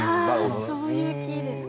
ああそういう樹ですか。